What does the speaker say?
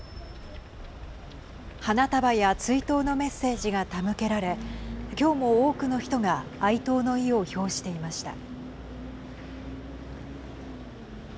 花束や追悼のメッセージが手向けられ今日も多くの人が哀悼の意を表していました。